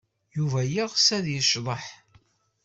Yuba yeɣs ad yecḍeḥ.